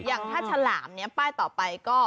อย่างถ้าฉลาบป้ายต่อไปก็